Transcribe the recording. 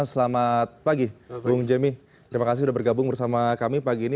selamat pagi bung jemmy terima kasih sudah bergabung bersama kami pagi ini